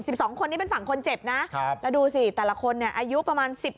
๑๒คน๑๒คนนี่เป็นฝั่งคนเจ็บนะแล้วดูสิแต่ละคนเนี่ยอายุประมาณ